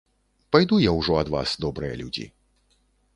Пайду я ўжо ад вас, добрыя людзі.